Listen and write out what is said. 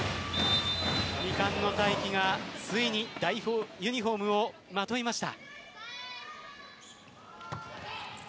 未完の大器がついに代表ユニホームをまといました。